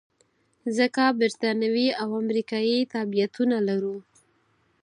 ځکه بریتانوي او امریکایي تابعیتونه لرو.